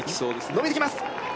伸びてきます